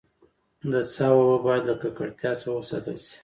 د څاه اوبه باید له ککړتیا څخه وساتل سي.